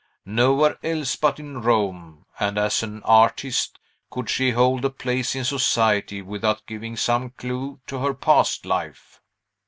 Nowhere else but in Rome, and as an artist, could she hold a place in society without giving some clew to her past life."